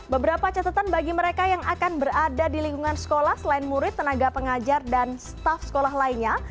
beberapa catatan bagi mereka yang akan berada di lingkungan sekolah selain murid tenaga pengajar dan staff sekolah lainnya